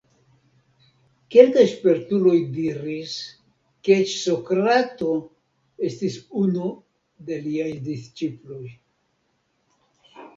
Kelkaj spertuloj diris ke eĉ Sokrato estis unu de liaj disĉiploj.